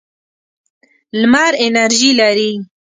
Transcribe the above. لمر انرژي لري.